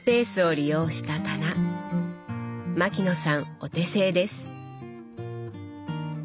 お手製です。